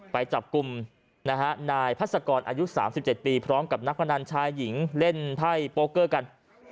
ไปจับกลุ่มนายพัศกรอายุ๓๗ปีพร้อมกับนักพนันชายหญิงเล่นไพ่โปรเกอร์กัน